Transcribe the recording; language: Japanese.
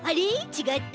ちがった。